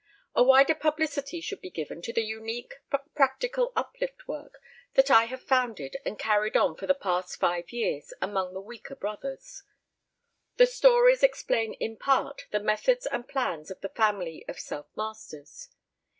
A wider publicity should be given to the unique but practical uplift work that I have founded and carried on for the past five years among these weaker brothers. The stories explain in part the methods and plans of the Family of Self Masters.